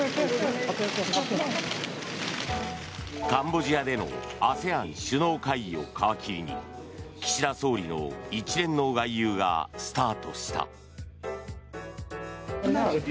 カンボジアでのＡＳＥＡＮ首脳会議を皮切りに岸田総理の一連の外遊がスタートした。